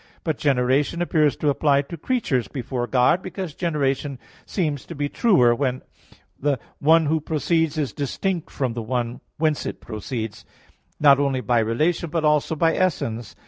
But generation appears to apply to creatures before God; because generation seems to be truer when the one who proceeds is distinct from the one whence it proceeds, not only by relation but also by essence.